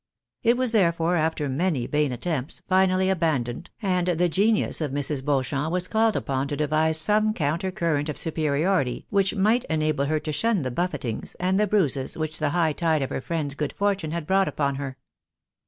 It was therefore after many vain attempts, finally abandoned, and the genius of Mrs. Beauchamp was called upon to devise some counter current of superiority, which might enable her to shun the buffetings, and the bruises, which the high tide of her friend's good fortune had brought upon her.